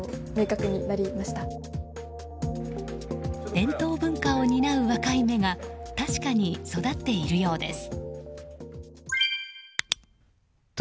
伝統文化を担う若い芽が確かに育っているようです。